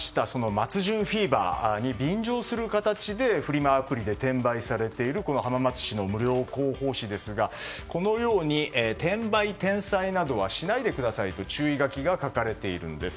松潤フィーバーに便乗する形でフリマアプリで転売されているこの浜松市の無料広報誌ですが転売、転載などはしないでくださいと注意書きが書かれているんです。